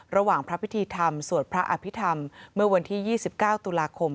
ระหว่างพระพิธีธรรมสวดพระอภิษฐรรมเมื่อวันที่๒๙ตุลาคม